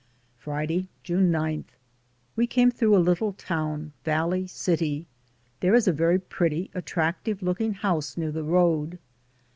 Friday, June 9. We came through a little town — Valley City. There is a very pretty attractive look ing house near the road.